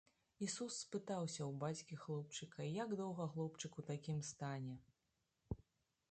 Ісус спытаўся ў бацькі хлопчыка, як доўга хлопчык у такім стане?